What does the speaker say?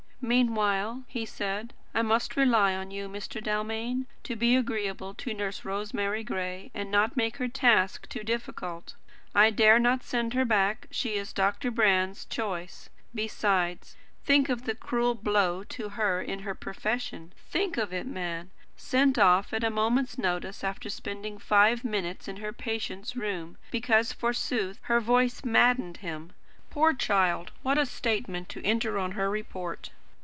"Meanwhile," he said, "I must rely on you, Mr. Dalmain, to be agreeable to Nurse Rosemary Gray, and not to make her task too difficult. I dare not send her back. She is Dr. Brand's choice. Besides think of the cruel blow to her in her profession. Think of it, man! sent off at a moment's notice, after spending five minutes in her patient's room, because, forsooth, her voice maddened him! Poor child! What a statement to enter on her report!